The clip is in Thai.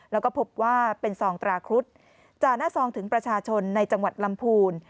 แล้วก็พบว่าเป็นซองตราครุฑจ่าหน้าซองถึงประชาชนในจังหวัดลำพูน